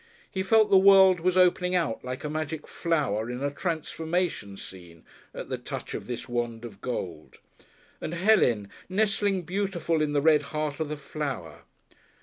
He felt the world was opening out like a magic flower in a transformation scene at the touch of this wand of gold. And Helen, nestling beautiful in the red heart of the flower.